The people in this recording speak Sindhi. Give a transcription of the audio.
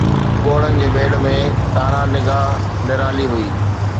ڳوڙهن جي ميڙ ۾، تارا نگاه نرالي هئي